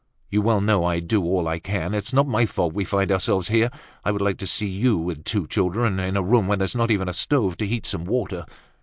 "You well know I do all I can. It's not my fault we find ourselves here. I would like to see you, with two children, in a room where there's not even a stove to heat some water.